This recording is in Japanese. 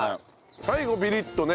最後ピリッとね。